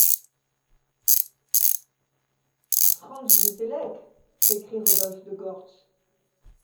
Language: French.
Franz de Télek!... s’écrie Rodolphe de Gortz.